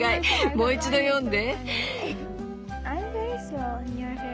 もう一度読んで。